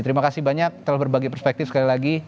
terima kasih banyak telah berbagi perspektif sekali lagi